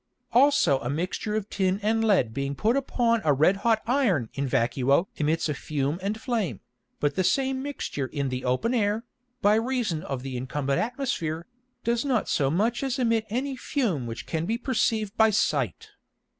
Also a mixture of Tin and Lead being put upon a red hot Iron in vacuo emits a Fume and Flame, but the same Mixture in the open Air, by reason of the incumbent Atmosphere, does not so much as emit any Fume which can be perceived by Sight.